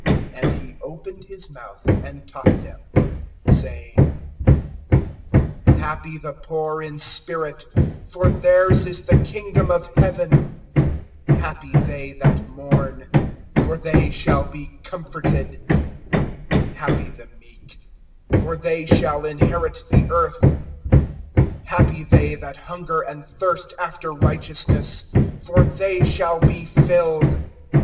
(2)And he opened his mouth, and taught them, saying: (3)Happy the poor in spirit; for theirs is the kingdom of heaven. (4)Happy they that mourn; for they shall be comforted. (5)Happy the meek; for they shall inherit the earth[5:5]. (6)Happy they that hunger and thirst after righteousness; for they shall be filled.